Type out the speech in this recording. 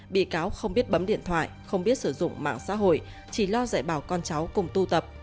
bị cáo không biết bấm điện thoại không biết sử dụng mạng xã hội chỉ lo giải bảo con cháu cùng tu tập